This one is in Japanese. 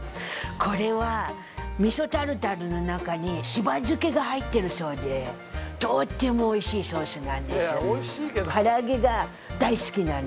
これは味噌タルタルの中にしば漬けが入ってるそうでとっても美味しいソースなんです。